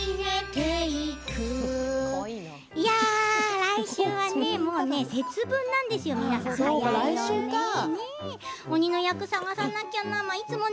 来週は節分なんですよ早いね。